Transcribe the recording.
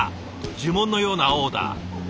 呪文のようなオーダー。